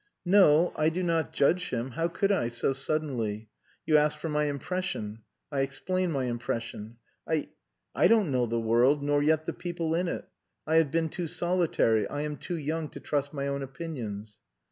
"No, I do not judge him. How could I, so suddenly? You asked for my impression I explain my impression. I I don't know the world, nor yet the people in it; I have been too solitary I am too young to trust my own opinions."